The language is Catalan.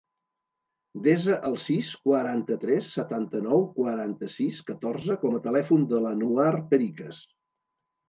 Desa el sis, quaranta-tres, setanta-nou, quaranta-sis, catorze com a telèfon de l'Anouar Pericas.